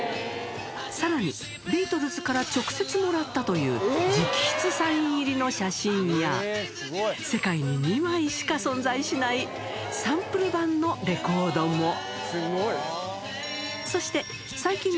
さらに、ビートルズから直接もらったという直筆サイン入りの写真や、世界に２枚しか存在しない、サンプル版のレコードも。